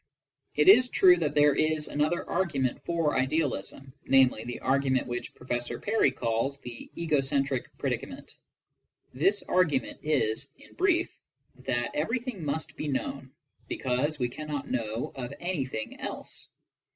It is true there is another argument for idealism, namely, the argument which Professor Perry calls the "egocentric predicament." This argument is, in brief, that everything must be known, because we can not know of anything eke.